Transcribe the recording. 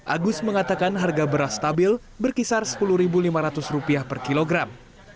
agus mengatakan harga beras stabil berkisar rp sepuluh lima ratus per kilogram